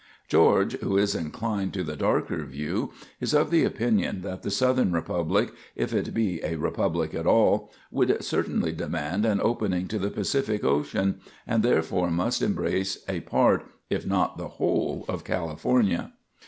"George, who is inclined to the darker view, is of the opinion that the Southern republic, if it be a republic at all, would certainly demand an opening to the Pacific Ocean, and therefore must embrace a part, if not the whole, of California.